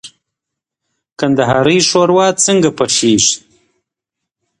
کندهاری ښوروا څنګه پخېږي؟